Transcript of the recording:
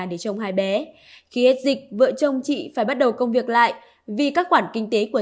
để chồng hai bé khi hết dịch vợ chồng chị phải bắt đầu công việc lại vì các khoản kinh tế của